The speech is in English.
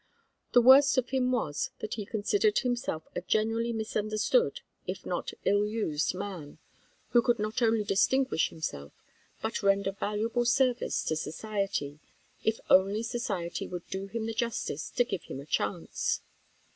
The worst of him was that he considered himself a generally misunderstood, if not ill used man, who could not only distinguish himself, but render valuable service to society, if only society would do him the justice to give him a chance.